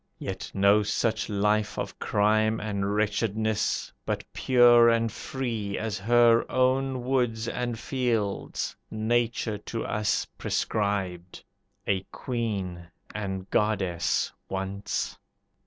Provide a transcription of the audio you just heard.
Yet no such life of crime and wretchedness, But pure and free as her own woods and fields, Nature to us prescribed; a queen And goddess once.